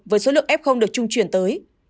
với số lượng f được trung truyền tới